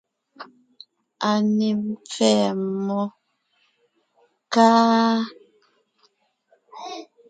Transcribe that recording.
A ne mpfɛ́ɛ mmó, káá?